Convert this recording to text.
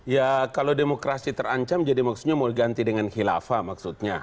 ya kalau demokrasi terancam jadi maksudnya mau diganti dengan khilafah maksudnya